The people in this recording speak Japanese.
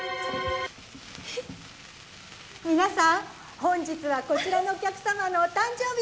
皆さん本日はこちらのお客様のお誕生日です。